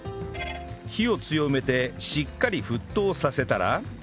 火を強めてしっかり沸騰させたら